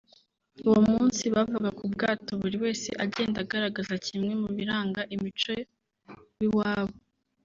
Uwo munsi bavaga mu bwato buri wese agenda agaragaza kimwe mu biranga imico w’iwabo